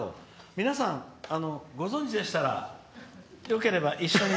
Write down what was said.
皆さん、ご存じでしたらよければ、一緒に。